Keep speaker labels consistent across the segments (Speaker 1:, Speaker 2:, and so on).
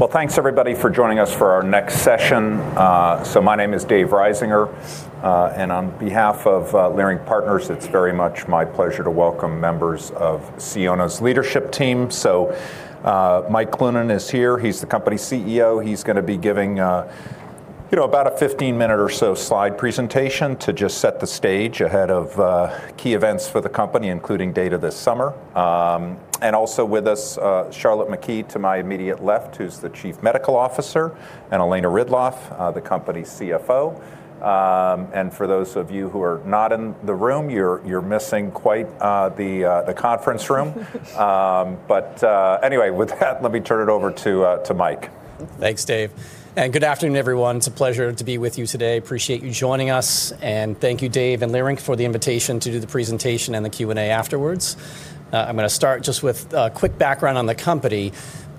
Speaker 1: All right. Well, thanks everybody for joining us for our next session. My name is David Risinger, and on behalf of Leerink Partners, it's very much my pleasure to welcome members of Sionna's leadership team. Mike Cloonan is here. He's the Company CEO. He's gonna be giving, you know, about a 15-minute or so slide presentation to just set the stage ahead of key events for the company, including data this summer. And also with us, Charlotte McKee to my immediate left, who's the Chief Medical Officer, and Elena Ridloff, the Company CFO. And for those of you who are not in the room, you're missing quite the conference room. Anyway, with that, let me turn it over to Mike.
Speaker 2: Thanks, Dave. Good afternoon, everyone. It's a pleasure to be with you today. Appreciate you joining us, and thank you Dave and Leerink for the invitation to do the presentation and the Q&A afterwards. I'm gonna start just with quick background on the company.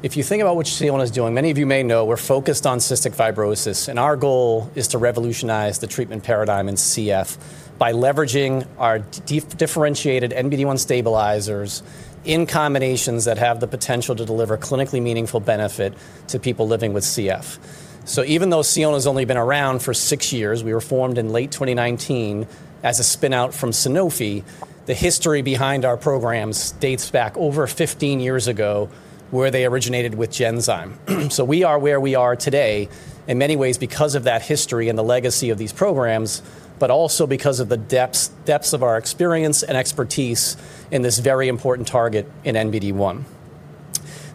Speaker 2: If you think about what Sionna is doing, many of you may know we're focused on cystic fibrosis, and our goal is to revolutionize the treatment paradigm in CF by leveraging our differentiated NBD1 stabilizers in combinations that have the potential to deliver clinically meaningful benefit to people living with CF. Even though Sionna's only been around for six years, we were formed in late 2019 as a spin-out from Sanofi. The history behind our programs dates back over 15 years ago, where they originated with Genzyme. We are where we are today in many ways because of that history and the legacy of these programs, but also because of the depths of our experience and expertise in this very important target in NBD1.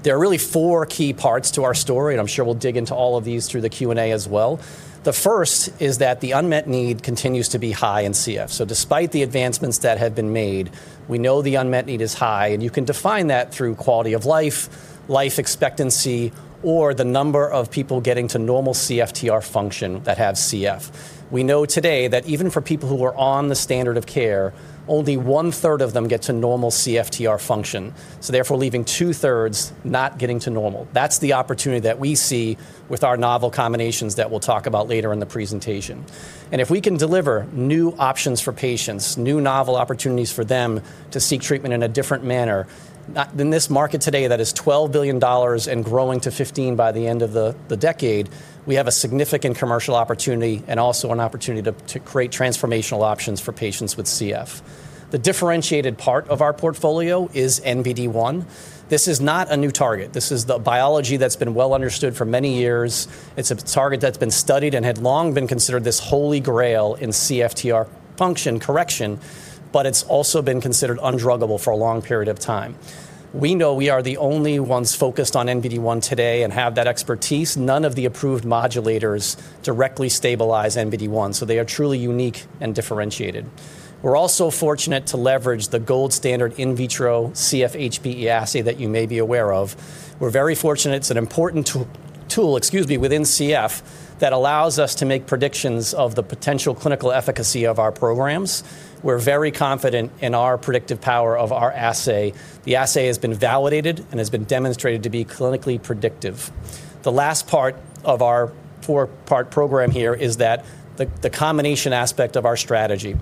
Speaker 2: There are really four key parts to our story, and I'm sure we'll dig into all of these through the Q&A as well. The first is that the unmet need continues to be high in CF. Despite the advancements that have been made, we know the unmet need is high, and you can define that through quality of life expectancy, or the number of people getting to normal CFTR function that have CF. We know today that even for people who are on the standard of care, only one-third of them get to normal CFTR function, so therefore leaving two-thirds not getting to normal. That's the opportunity that we see with our novel combinations that we'll talk about later in the presentation. If we can deliver new options for patients, new novel opportunities for them to seek treatment in a different manner, in this market today that is $12 billion and growing to $15 billion by the end of the decade, we have a significant commercial opportunity and also an opportunity to create transformational options for patients with CF. The differentiated part of our portfolio is NBD1. This is not a new target. This is the biology that's been well understood for many years. It's a target that's been studied and had long been considered this holy grail in CFTR function correction, but it's also been considered undruggable for a long period of time. We know we are the only ones focused on NBD1 today and have that expertise. None of the approved modulators directly stabilize NBD1, so they are truly unique and differentiated. We're also fortunate to leverage the gold standard in vitro CF-HBE assay that you may be aware of. We're very fortunate it's an important tool within CF that allows us to make predictions of the potential clinical efficacy of our programs. We're very confident in our predictive power of our assay. The assay has been validated and has been demonstrated to be clinically predictive. The last part of our four-part program here is that the combination aspect of our strategy.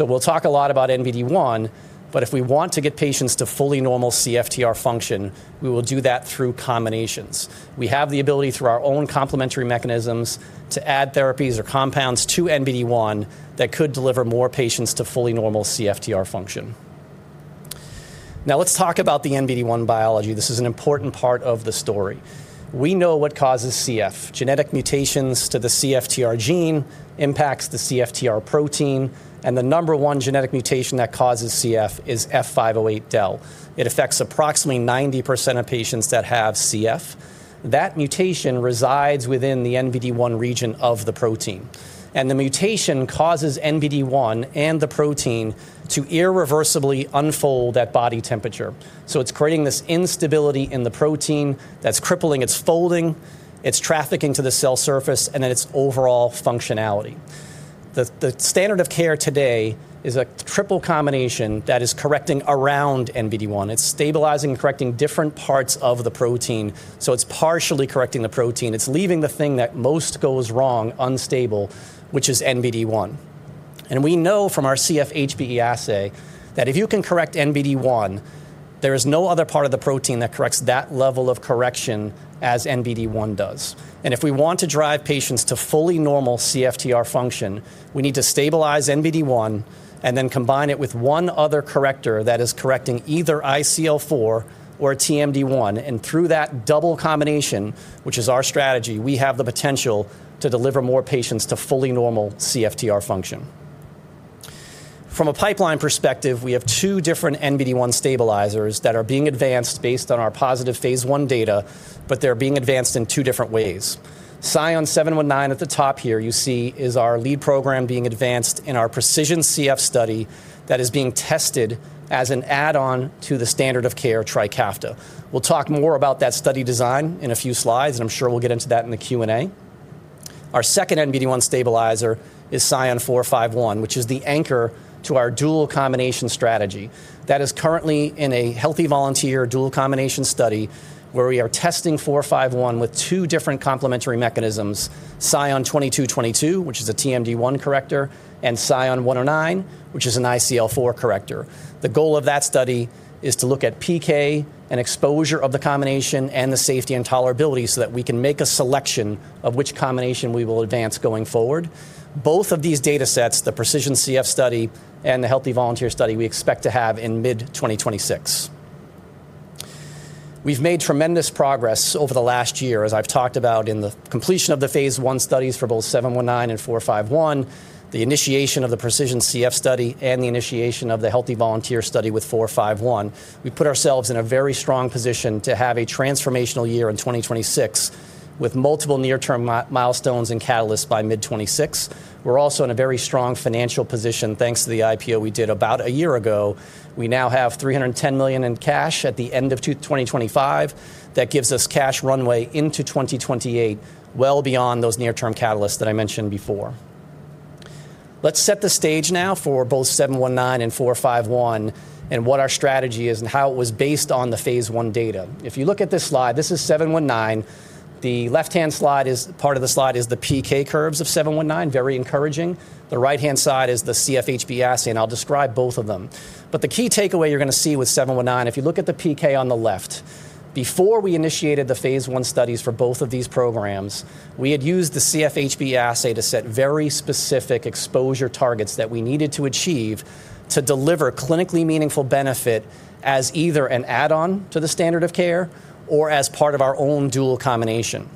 Speaker 2: We'll talk a lot about NBD1, but if we want to get patients to fully normal CFTR function, we will do that through combinations. We have the ability through our own complementary mechanisms to add therapies or compounds to NBD1 that could deliver more patients to fully normal CFTR function. Now let's talk about the NBD1 biology. This is an important part of the story. We know what causes CF. Genetic mutations to the CFTR gene impacts the CFTR protein, and the number one genetic mutation that causes CF is F508del. It affects approximately 90% of patients that have CF. That mutation resides within the NBD1 region of the protein, and the mutation causes NBD1 and the protein to irreversibly unfold at body temperature. It's creating this instability in the protein that's crippling its folding, its trafficking to the cell surface, and then its overall functionality. The standard of care today is a triple combination that is correcting around NBD1. It's stabilizing and correcting different parts of the protein, so it's partially correcting the protein. It's leaving the thing that most goes wrong unstable, which is NBD1. We know from our CF-HBE assay that if you can correct NBD1, there is no other part of the protein that corrects that level of correction as NBD1 does. If we want to drive patients to fully normal CFTR function, we need to stabilize NBD1 and then combine it with one other corrector that is correcting either ICL4 or TMD1. Through that double combination, which is our strategy, we have the potential to deliver more patients to fully normal CFTR function. From a pipeline perspective, we have two different NBD1 stabilizers that are being advanced based on our positive phase I data, but they're being advanced in two different ways. SION-719 at the top here you see is our lead program being advanced in our PreciSION CF study that is being tested as an add-on to the standard of care Trikafta. We'll talk more about that study design in a few slides, and I'm sure we'll get into that in the Q&A. Our second NBD1 stabilizer is SION-451, which is the anchor to our dual combination strategy. That is currently in a healthy volunteer dual combination study where we are testing SION-451 with two different complementary mechanisms, SION-2222, which is a TMD1 corrector, and SION-109, which is an ICL4 corrector. The goal of that study is to look at PK and exposure of the combination and the safety and tolerability so that we can make a selection of which combination we will advance going forward. Both of these datasets, the PreciSION CF study and the healthy volunteer study we expect to have in mid-2026. We've made tremendous progress over the last year, as I've talked about in the completion of the phase I studies for both 719 and 451, the initiation of the PreciSION CF study, and the initiation of the healthy volunteer study with 451. We put ourselves in a very strong position to have a transformational year in 2026 with multiple near-term milestones and catalysts by mid-2026. We're also in a very strong financial position thanks to the IPO we did about a year ago. We now have $310 million in cash at the end of 2025. That gives us cash runway into 2028, well beyond those near-term catalysts that I mentioned before. Let's set the stage now for both 719 and 451 and what our strategy is and how it was based on the phase I data. If you look at this slide, this is 719. The left-hand part of the slide is the PK curves of 719, very encouraging. The right-hand side is the CF-HBE assay, and I'll describe both of them. The key takeaway you're gonna see with 719, if you look at the PK on the left, before we initiated the phase I studies for both of these programs, we had used the CF-HBE assay to set very specific exposure targets that we needed to achieve to deliver clinically meaningful benefit as either an add-on to the standard of care or as part of our own dual combination.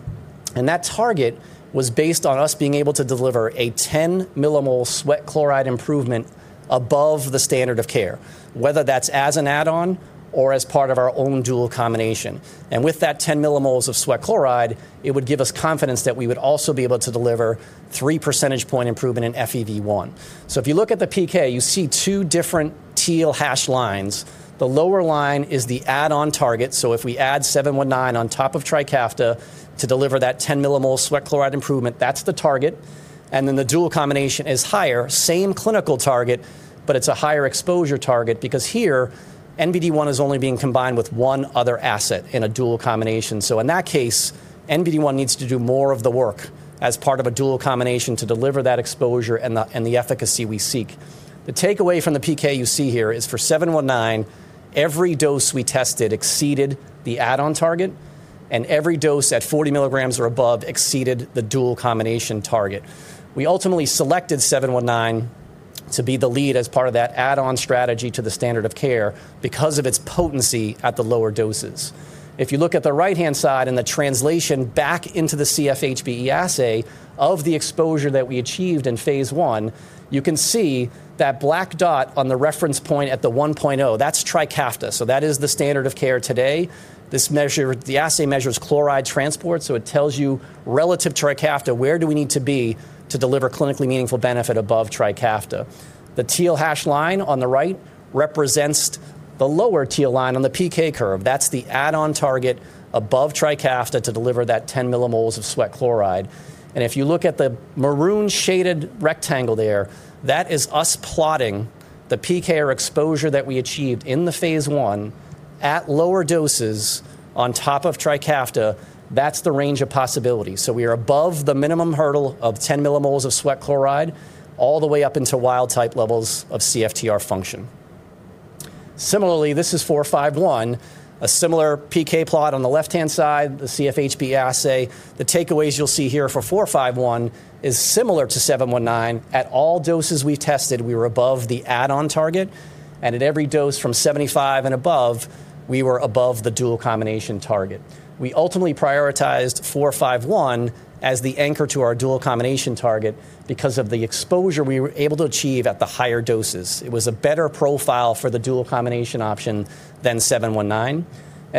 Speaker 2: That target was based on us being able to deliver a 10 millimole sweat chloride improvement above the standard of care, whether that's as an add-on or as part of our own dual combination. With that 10 millimoles of sweat chloride, it would give us confidence that we would also be able to deliver three percentage point improvement in FEV1. If you look at the PK, you see two different teal hash lines. The lower line is the add-on target. If we add 719 on top of Trikafta to deliver that 10 millimole sweat chloride improvement, that's the target. Then the dual combination is higher, same clinical target, but it's a higher exposure target because here, NBD1 is only being combined with one other asset in a dual combination. In that case, NBD1 needs to do more of the work as part of a dual combination to deliver that exposure and the efficacy we seek. The takeaway from the PK you see here is for SION-719, every dose we tested exceeded the add-on target, and every dose at 40 milligrams or above exceeded the dual combination target. We ultimately selected SION-719 to be the lead as part of that add-on strategy to the standard of care because of its potency at the lower doses. If you look at the right-hand side and the translation back into the CF-HBE assay of the exposure that we achieved in phase I, you can see that black dot on the reference point at the 1.0, that's Trikafta. That is the standard of care today. This measure, the assay measures chloride transport, so it tells you relative Trikafta, where do we need to be to deliver clinically meaningful benefit above Trikafta. The teal hash line on the right represents the lower teal line on the PK curve. That's the add-on target above Trikafta to deliver that 10 millimoles of sweat chloride. If you look at the maroon-shaded rectangle there, that is us plotting the PK or exposure that we achieved in the phase I at lower doses on top of Trikafta. That's the range of possibilities. We are above the minimum hurdle of 10 millimoles of sweat chloride all the way up into wild-type levels of CFTR function. Similarly, this is 451, a similar PK plot on the left-hand side, the CF-HBE assay. The takeaways you'll see here for 451 is similar to 719. At all doses we tested, we were above the add-on target, and at every dose from 75 and above, we were above the dual combination target. We ultimately prioritized 451 as the anchor to our dual combination target because of the exposure we were able to achieve at the higher doses. It was a better profile for the dual combination option than 719.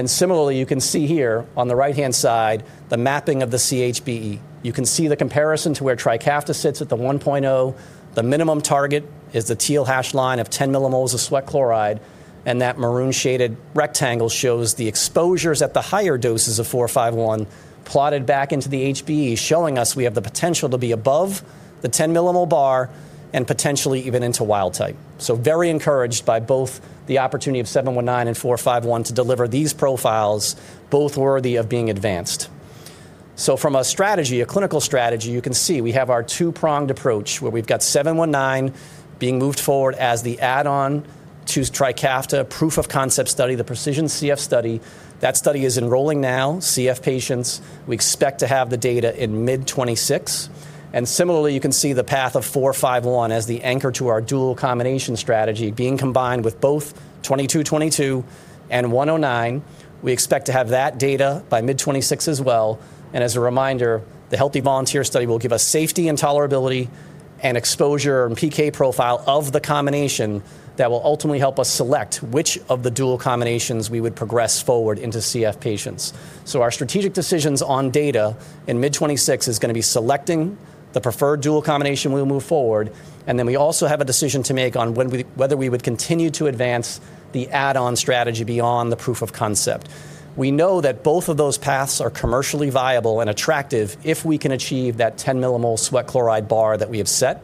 Speaker 2: Similarly, you can see here on the right-hand side the mapping of the CF-HBE. You can see the comparison to where Trikafta sits at the 1.0. The minimum target is the teal hash line of 10 millimoles of sweat chloride, and that maroon-shaded rectangle shows the exposures at the higher doses of 451 plotted back into the hBE, showing us we have the potential to be above the 10 millimole bar and potentially even into wild type. Very encouraged by both the opportunity of 719 and 451 to deliver these profiles, both worthy of being advanced. From a strategy, a clinical strategy, you can see we have our two-pronged approach where we've got 719 being moved forward as the add-on to Trikafta proof of concept study, the PreciSION CF study. That study is enrolling now CF patients. We expect to have the data in mid-2026. Similarly, you can see the path of 451 as the anchor to our dual combination strategy being combined with both 2222 and 109. We expect to have that data by mid-2026 as well. As a reminder, the healthy volunteer study will give us safety and tolerability and exposure and PK profile of the combination that will ultimately help us select which of the dual combinations we would progress forward into CF patients. Our strategic decisions on data in mid-2026 is gonna be selecting the preferred dual combination we'll move forward, and then we also have a decision to make whether we would continue to advance the add-on strategy beyond the proof of concept. We know that both of those paths are commercially viable and attractive if we can achieve that 10 millimole sweat chloride bar that we have set.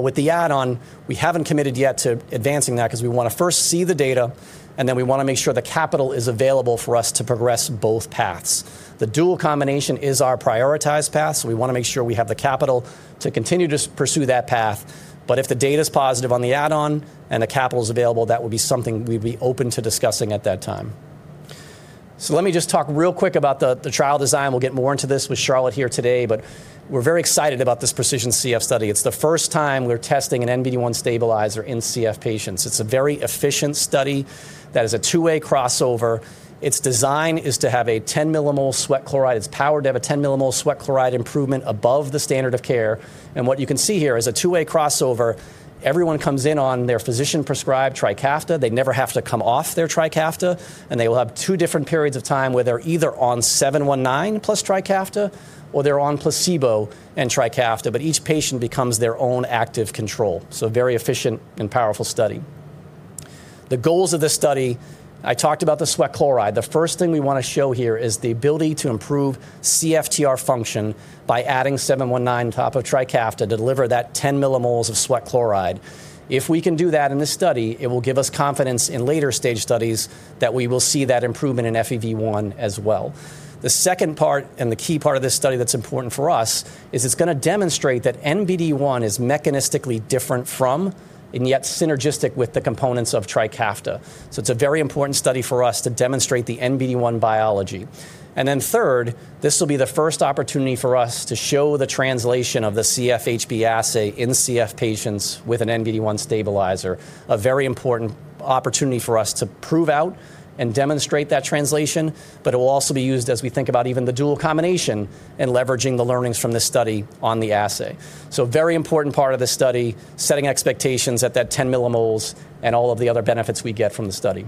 Speaker 2: With the add-on, we haven't committed yet to advancing that because we wanna first see the data, and then we wanna make sure the capital is available for us to progress both paths. The dual combination is our prioritized path, so we wanna make sure we have the capital to continue to pursue that path. If the data is positive on the add-on and the capital is available, that would be something we'd be open to discussing at that time. Let me just talk real quick about the trial design. We'll get more into this with Charlotte here today, but we're very excited about this PreciSION CF study. It's the first time we're testing an NBD1 stabilizer in CF patients. It's a very efficient study that is a two-way crossover. Its design is to have a 10 millimole sweat chloride. It's powered to have a 10 millimole sweat chloride improvement above the standard of care. What you can see here is a two-way crossover. Everyone comes in on their physician-prescribed Trikafta. They never have to come off their Trikafta, and they will have two different periods of time where they're either on 719 plus Trikafta or they're on placebo and Trikafta. Each patient becomes their own active control, so very efficient and powerful study. The goals of this study, I talked about the sweat chloride. The first thing we wanna show here is the ability to improve CFTR function by adding 719 on top of Trikafta, deliver that 10 millimoles of sweat chloride. If we can do that in this study, it will give us confidence in later stage studies that we will see that improvement in FEV1 as well. The second part, and the key part of this study that's important for us, is it's gonna demonstrate that NBD1 is mechanistically different from, and yet synergistic with the components of Trikafta. It's a very important study for us to demonstrate the NBD1 biology. Then third, this will be the first opportunity for us to show the translation of the CF-HBE assay in CF patients with an NBD1 stabilizer, a very important opportunity for us to prove out and demonstrate that translation. It will also be used as we think about even the dual combination and leveraging the learnings from this study on the assay. Very important part of this study, setting expectations at that 10 millimoles and all of the other benefits we get from the study.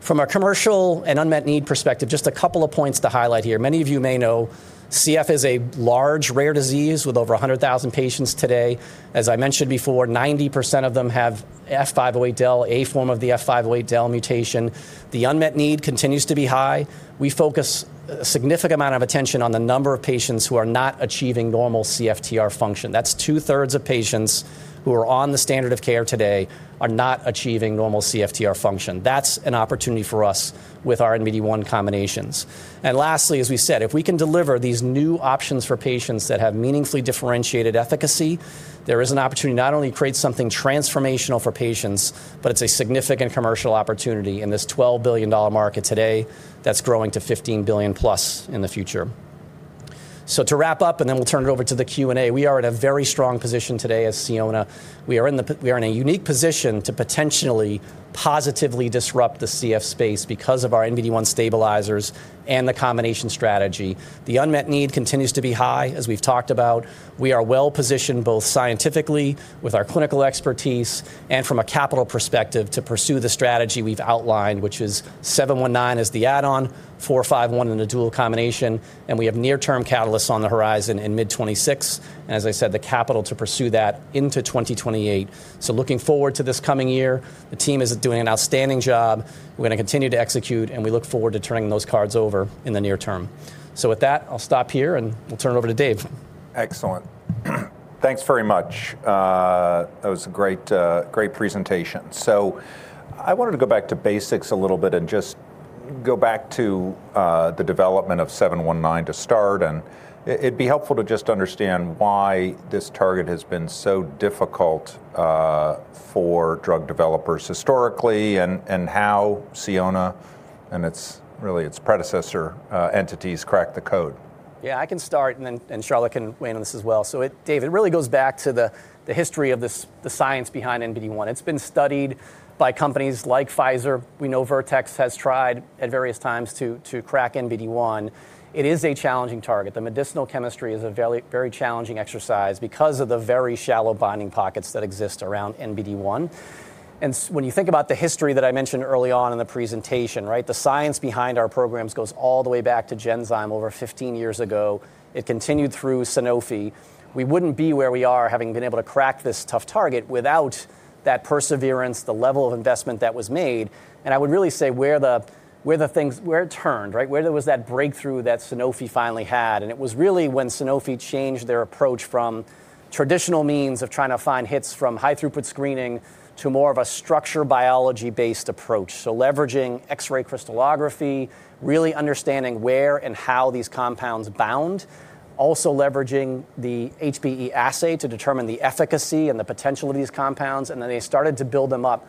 Speaker 2: From a commercial and unmet need perspective, just a couple of points to highlight here. Many of you may know CF is a large rare disease with over 100,000 patients today. As I mentioned before, 90% of them have F508del, a form of the F508del mutation. The unmet need continues to be high. We focus a significant amount of attention on the number of patients who are not achieving normal CFTR function. That's two-thirds of patients who are on the standard of care today are not achieving normal CFTR function. That's an opportunity for us with our NBD1 combinations. Lastly, as we said, if we can deliver these new options for patients that have meaningfully differentiated efficacy, there is an opportunity to not only create something transformational for patients, but it's a significant commercial opportunity in this $12 billion market today that's growing to $15 billion-plus in the future. To wrap up, and then we'll turn it over to the Q&A, we are at a very strong position today as Sionna. We are in a unique position to potentially positively disrupt the CF space because of our NBD1 stabilizers and the combination strategy. The unmet need continues to be high, as we've talked about. We are well-positioned both scientifically with our clinical expertise and from a capital perspective to pursue the strategy we've outlined, which is 719 as the add-on, 451 in a dual combination. We have near-term catalysts on the horizon in mid 2026, and as I said, the capital to pursue that into 2028. Looking forward to this coming year. The team is doing an outstanding job. We're gonna continue to execute, and we look forward to turning those cards over in the near term. With that, I'll stop here, and we'll turn it over to Dave.
Speaker 1: Excellent. Thanks very much. That was a great presentation. I wanted to go back to basics a little bit and just go back to the development of SION-719 to start. It'd be helpful to just understand why this target has been so difficult for drug developers historically and how Sionna and its really its predecessor entities cracked the code.
Speaker 2: Yeah, I can start and then Charlotte can weigh in on this as well. Dave, it really goes back to the history of the science behind NBD1. It's been studied by companies like Pfizer. We know Vertex has tried at various times to crack NBD1. It is a challenging target. The medicinal chemistry is a very challenging exercise because of the very shallow binding pockets that exist around NBD1. When you think about the history that I mentioned early on in the presentation, right? The science behind our programs goes all the way back to Genzyme over 15 years ago. It continued through Sanofi. We wouldn't be where we are, having been able to crack this tough target without that perseverance, the level of investment that was made. I would really say where it turned, right? Where there was that breakthrough that Sanofi finally had, and it was really when Sanofi changed their approach from traditional means of trying to find hits from high-throughput screening to more of a structural biology-based approach. Leveraging X-ray crystallography, really understanding where and how these compounds bound. Also leveraging the hBE assay to determine the efficacy and the potential of these compounds. Then they started to build them up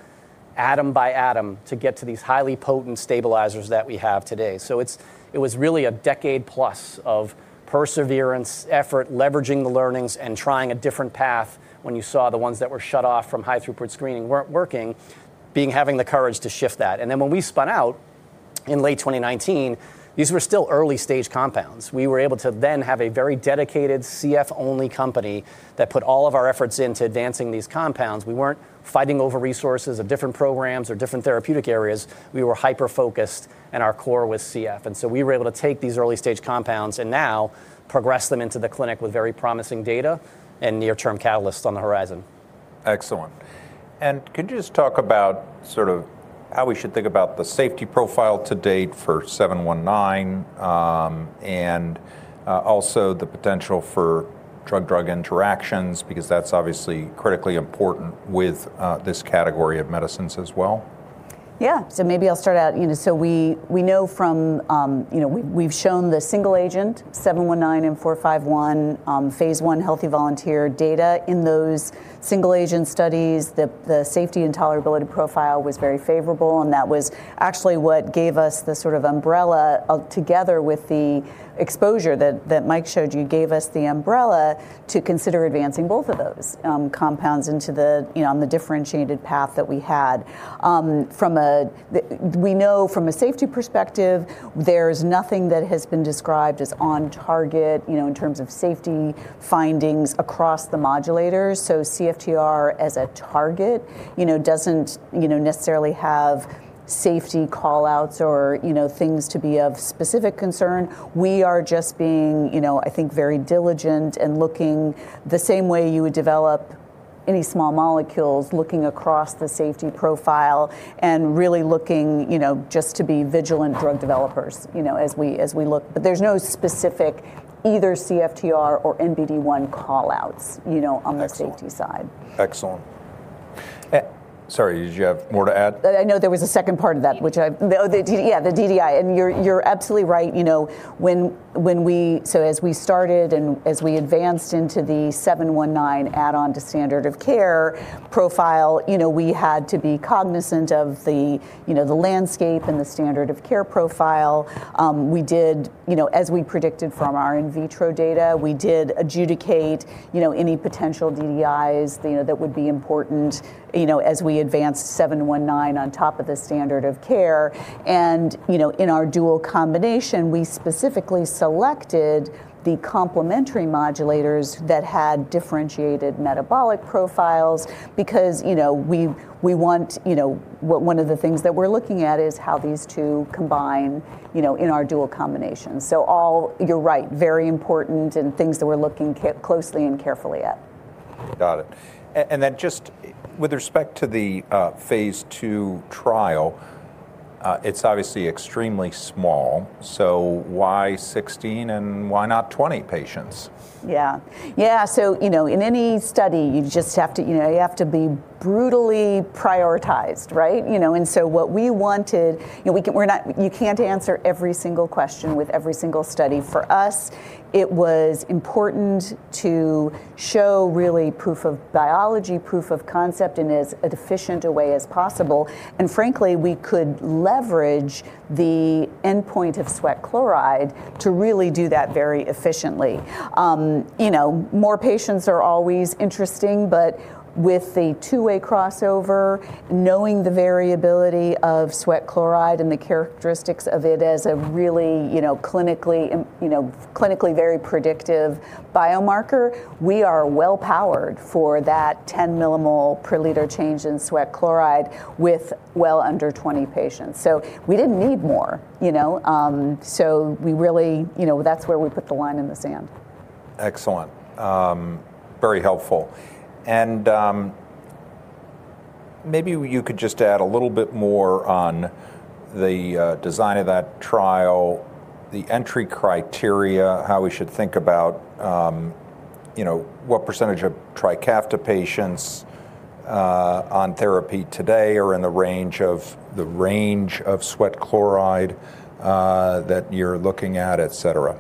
Speaker 2: atom by atom to get to these highly potent stabilizers that we have today. It was really a decade-plus of perseverance, effort, leveraging the learnings and trying a different path when you saw the ones that were shut off from high-throughput screening weren't working, having the courage to shift that. When we spun out in late 2019, these were still early-stage compounds. We were able to then have a very dedicated CF-only company that put all of our efforts into advancing these compounds. We weren't fighting over resources of different programs or different therapeutic areas, we were hyper-focused, and our core was CF. We were able to take these early-stage compounds and now progress them into the clinic with very promising data and near-term catalysts on the horizon.
Speaker 1: Excellent. Could you just talk about sort of how we should think about the safety profile to date for SION-719, and also the potential for drug-drug interactions, because that's obviously critically important with this category of medicines as well?
Speaker 3: Yeah. Maybe I'll start out, you know, we know from, you know, we've shown the single agent 719 and 451, phase I healthy volunteer data in those single agent studies. The safety and tolerability profile was very favorable, and that was actually what gave us the umbrella together with the exposure that Mike showed you to consider advancing both of those compounds into, you know, the differentiated path that we had. We know from a safety perspective, there's nothing that has been described as on target, you know, in terms of safety findings across the modulators. CFTR as a target, you know, doesn't necessarily have safety call-outs or, you know, things to be of specific concern. We are just being, you know, I think, very diligent and looking the same way you would develop any small molecules, looking across the safety profile and really looking, you know, just to be vigilant drug developers, you know, as we look. There's no specific either CFTR or NBD1 call-outs, you know.
Speaker 1: Excellent
Speaker 3: on the safety side.
Speaker 1: Excellent. Sorry, did you have more to add?
Speaker 3: I know there was a second part of that. DDI. Yeah, the DDI. You're absolutely right. You know, when we started and as we advanced into the 719 add-on to standard of care profile, you know, we had to be cognizant of the landscape and the standard of care profile. We did, you know, as we predicted from our in vitro data, we did adjudicate any potential DDIs, you know, that would be important, you know, as we advanced 719 on top of the standard of care. In our dual combination, we specifically selected the complementary modulators that had differentiated metabolic profiles because, you know, we want. One of the things that we're looking at is how these two combine, you know, in our dual combination. All, you're right, very important and things that we're looking closely and carefully at.
Speaker 1: Got it. Just with respect to the phase II trial, it's obviously extremely small, so why 16 and why not 20 patients?
Speaker 3: Yeah. Yeah. You know, in any study, you just have to, you know, you have to brutally prioritize, right? You know, what we wanted. You know, we're not. You can't answer every single question with every single study. For us, it was important to show really proof of biology, proof of concept in as efficient a way as possible. Frankly, we could leverage the endpoint of sweat chloride to really do that very efficiently. You know, more patients are always interesting, but with the two-way crossover, knowing the variability of sweat chloride and the characteristics of it as a really clinically very predictive biomarker, we are well-powered for that 10 millimole per liter change in sweat chloride with well under 20 patients. We didn't need more, you know? We really. You know, that's where we put the line in the sand.
Speaker 1: Excellent. Very helpful. Maybe you could just add a little bit more on the design of that trial, the entry criteria, how we should think about, you know, what percentage of Trikafta patients on therapy today are in the range of sweat chloride that you're looking at, et cetera.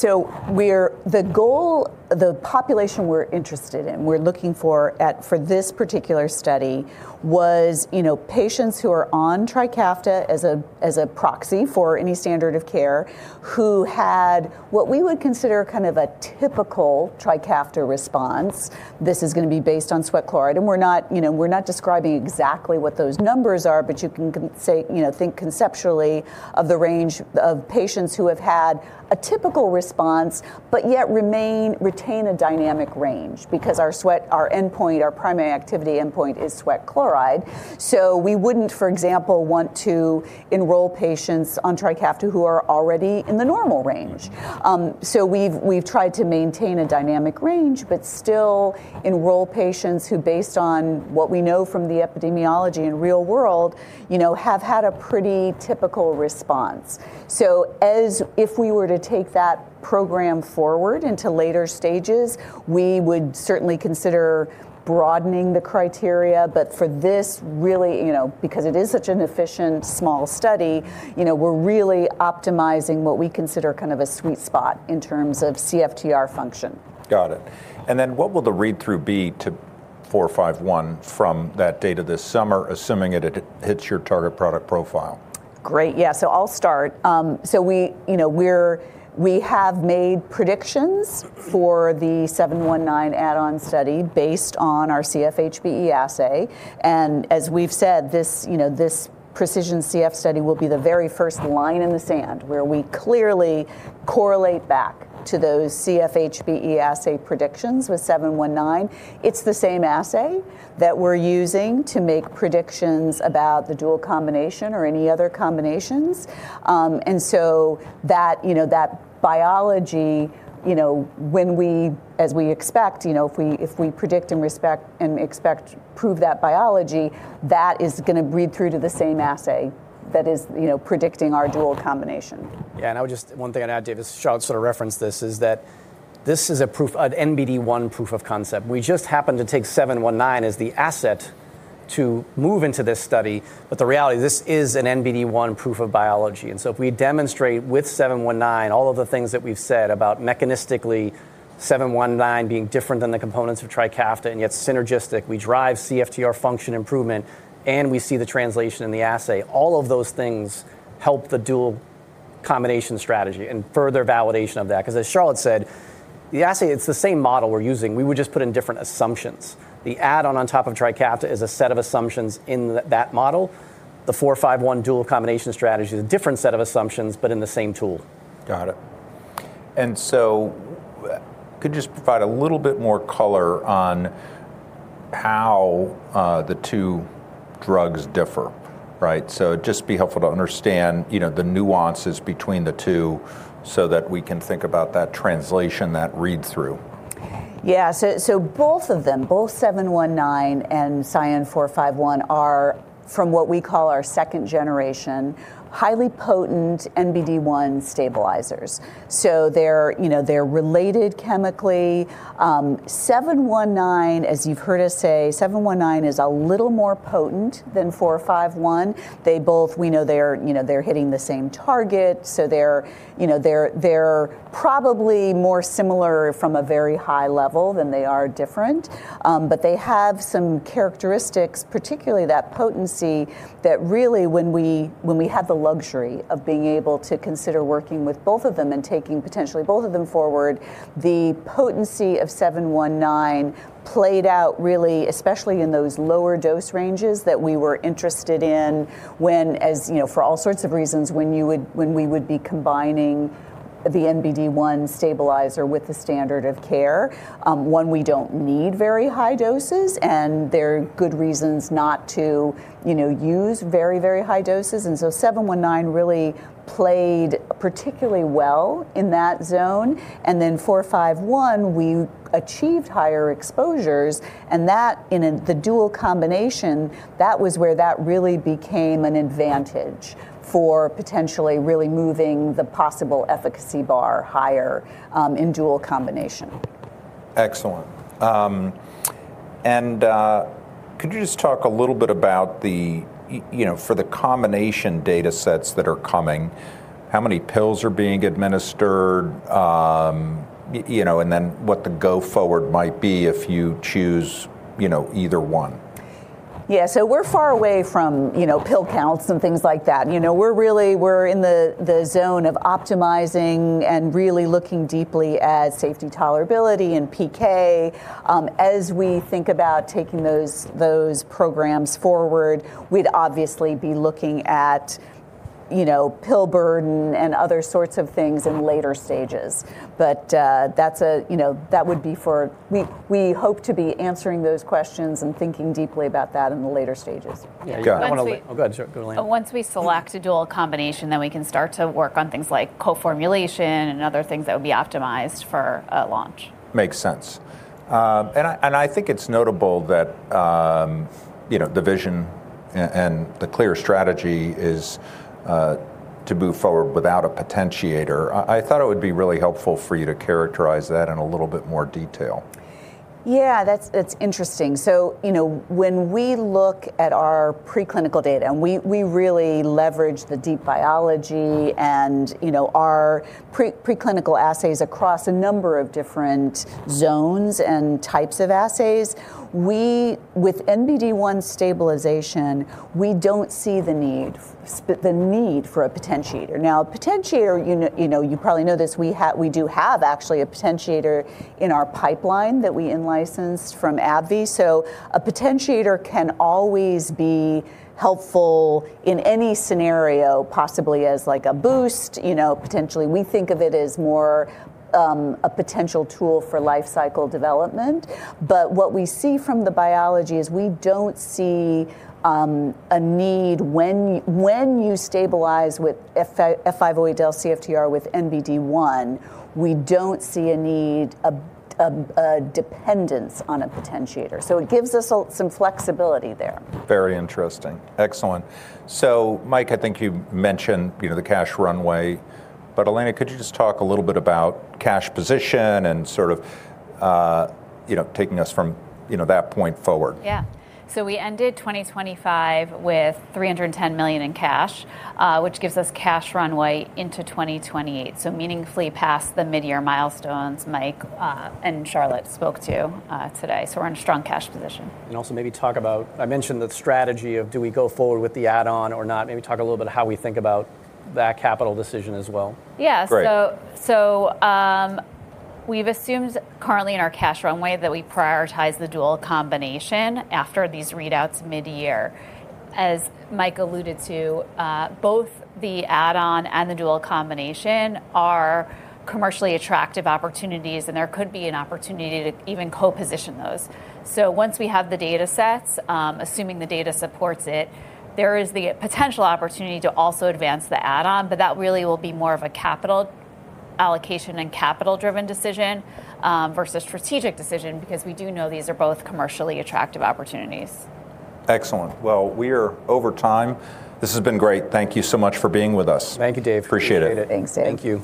Speaker 3: The goal, the population we're interested in, we're looking for this particular study was, you know, patients who are on Trikafta as a, as a proxy for any standard of care who had what we would consider kind of a typical Trikafta response. This is gonna be based on sweat chloride. We're not, you know, we're not describing exactly what those numbers are, but you can say, you know, think conceptually of the range of patients who have had a typical response but yet retain a dynamic range because our endpoint, our primary activity endpoint is sweat chloride. We wouldn't, for example, want to enroll patients on Trikafta who are already in the normal range. We've tried to maintain a dynamic range but still enroll patients who, based on what we know from the epidemiology and real world, you know, have had a pretty typical response. As if we were to take that program forward into later stages, we would certainly consider broadening the criteria. For this, really, you know, because it is such an efficient small study, you know, we're really optimizing what we consider kind of a sweet spot in terms of CFTR function.
Speaker 1: Got it. What will the read-through be to 451 from that data this summer, assuming it hits your target product profile?
Speaker 3: Great. Yeah. I'll start. We, you know, have made predictions for the SION-719 add-on study based on our CF-HBE assay. As we've said, this, you know, this PreciSION CF study will be the very first line in the sand where we clearly correlate back to those CF-HBE assay predictions with SION-719. It's the same assay that we're using to make predictions about the dual combination or any other combinations. That, you know, that biology, you know, when we, as we expect, you know, if we predict and respect and expect to prove that biology, that is gonna read through to the same assay that is, you know, predicting our dual combination.
Speaker 2: Yeah. I would just one thing I'd add, David, Charlotte sort of referenced this, is that this is a proof, an NBD1 proof of concept. We just happened to take 719 as the asset to move into this study, but the reality, this is an NBD1 proof of biology. If we demonstrate with 719 all of the things that we've said about mechanistically 719 being different than the components of Trikafta and yet synergistic, we drive CFTR function improvement, and we see the translation in the assay. All of those things help the dual combination strategy and further validation of that. Because as Charlotte said, the assay, it's the same model we're using. We would just put in different assumptions. The add-on on top of Trikafta is a set of assumptions in that model. The 451 dual combination strategy is a different set of assumptions, but in the same tool.
Speaker 1: Got it. Could you just provide a little bit more color on how the two drugs differ, right? Just be helpful to understand, you know, the nuances between the two so that we can think about that translation, that read-through.
Speaker 3: Yeah. Both of them, 719 and 451 are from what we call our second generation, highly potent NBD1 stabilizers. They're, you know, related chemically. 719, as you've heard us say, 719 is a little more potent than 451. They both, we know, you know, they're hitting the same target. They're, you know, probably more similar from a very high level than they are different. They have some characteristics, particularly that potency, that really, when we had the luxury of being able to consider working with both of them and taking potentially both of them forward, the potency of 719 played out really, especially in those lower dose ranges that we were interested in when, as, you know, for all sorts of reasons, when we would be combining the NBD1 stabilizer with the standard of care. We don't need very high doses, and there are good reasons not to, you know, use very, very high doses. 719 really played particularly well in that zone. SION-451, we achieved higher exposures, and that, in the dual combination, that was where that really became an advantage for potentially really moving the possible efficacy bar higher, in dual combination.
Speaker 1: Excellent. Could you just talk a little bit about the, you know, for the combination data sets that are coming, how many pills are being administered, you know, and then what the go forward might be if you choose, you know, either one?
Speaker 3: Yeah. We're far away from, you know, pill counts and things like that. You know, we're really in the zone of optimizing and really looking deeply at safety tolerability and PK. As we think about taking those programs forward, we'd obviously be looking at, you know, pill burden and other sorts of things in later stages. We hope to be answering those questions and thinking deeply about that in the later stages.
Speaker 1: Got it.
Speaker 2: Yeah. I wanna
Speaker 3: Once we-
Speaker 2: Oh, go ahead, sure. Go, Elena.
Speaker 3: Once we select a dual combination, then we can start to work on things like co-formulation and other things that would be optimized for a launch.
Speaker 1: Makes sense. I think it's notable that, you know, the vision and the clear strategy is to move forward without a potentiator. I thought it would be really helpful for you to characterize that in a little bit more detail.
Speaker 3: Yeah. That's interesting. You know, when we look at our preclinical data, and we really leverage the deep biology and, you know, our preclinical assays across a number of different domains and types of assays. With NBD1 stabilization, we don't see the need for a potentiator. Now, a potentiator, you know, you probably know this, we do have actually a potentiator in our pipeline that we in-licensed from AbbVie. A potentiator can always be helpful in any scenario, possibly as, like, a boost, you know, potentially. We think of it as more, a potential tool for life cycle development. What we see from the biology is we don't see a need when you stabilize F508del CFTR with NBD1, we don't see a need, a dependence on a potentiator. It gives us some flexibility there.
Speaker 1: Very interesting. Excellent. Mike, I think you mentioned, you know, the cash runway, but Elena, could you just talk a little bit about cash position and sort of, you know, taking us from, you know, that point forward?
Speaker 3: Yeah. We ended 2025 with $310 million in cash, which gives us cash runway into 2028, so meaningfully past the midyear milestones Mike and Charlotte spoke to today. We're in a strong cash position.
Speaker 2: Also maybe talk about, I mentioned the strategy of do we go forward with the add-on or not. Maybe talk a little bit how we think about that capital decision as well.
Speaker 3: Yeah.
Speaker 1: Great
Speaker 3: We've assumed currently in our cash runway that we prioritize the dual combination after these readouts midyear. As Mike alluded to, both the add-on and the dual combination are commercially attractive opportunities, and there could be an opportunity to even co-position those. Once we have the data sets, assuming the data supports it, there is the potential opportunity to also advance the add-on, but that really will be more of a capital allocation and capital-driven decision versus strategic decision because we do know these are both commercially attractive opportunities.
Speaker 1: Excellent. Well, we are over time. This has been great. Thank you so much for being with us.
Speaker 2: Thank you, Dave. Appreciate it.
Speaker 1: Appreciate it.
Speaker 3: Thanks, Dave.
Speaker 2: Thank you.